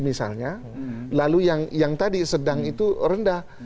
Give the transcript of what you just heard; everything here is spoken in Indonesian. misalnya lalu yang tadi sedang itu rendah